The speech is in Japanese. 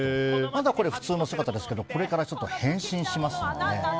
まだこれ普通の姿ですけどこれから変身しますので。